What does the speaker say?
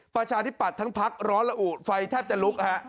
ประชาธิปัตย์ทั้งพักร้อนระอุไฟแทบจะลุกฮะ